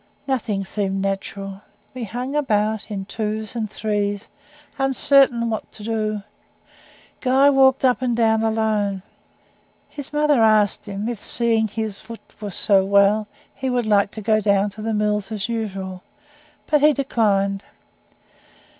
Nothing seemed natural. We hung about in twos and threes, uncertain what to do. Guy walked up and down, alone. His mother asked him if, seeing his foot was so well, he would like to go down to the mills as usual; but he declined.